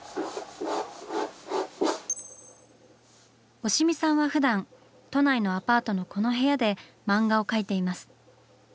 押見さんはふだん都内のアパートのこの部屋で漫画を描いています。